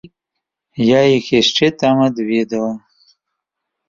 Я іх яшчэ там адведала.